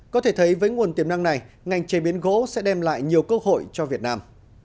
có thể thấy với nguồn tiềm năng này ngành chế biến gỗ sẽ đem lại nhiều cơ hội cho việt nam